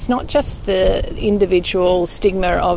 bukan hanya stigma individu dari orang muda